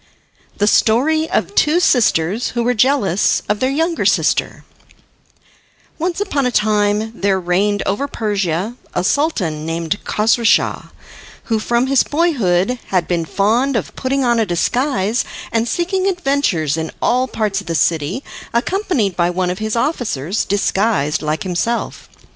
The Story of Two Sisters Who Were Jealous of Their Younger Sister Once upon a time there reigned over Persia a Sultan named Kosrouschah, who from his boyhood had been fond of putting on a disguise and seeking adventures in all parts of the city, accompanied by one of his officers, disguised like himself.